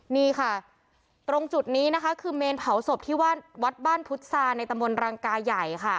นี่ค่ะตรงจุดนี้นะคะคือเมนเผาศพที่วัดบ้านพุทธศาในตำบลรังกายใหญ่ค่ะ